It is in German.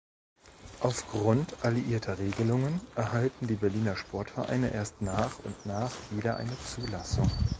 Aufgrund alliierter Regelungen erhalten die Berliner Sportvereine erst nach und nach wieder eine Zulassung.